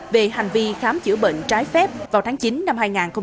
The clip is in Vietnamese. về hành vi khám chữa bệnh trái phép vào tháng chín năm hai nghìn hai mươi